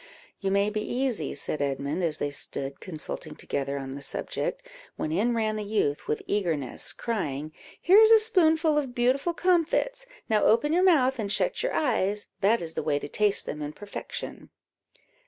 "You may be easy," said Edmund, as they stood consulting together on the subject, when in ran the youth with eagerness, crying "Here is a spoonful of beautiful comfits; now open your mouth and shut your eyes that is the way to taste them in perfection."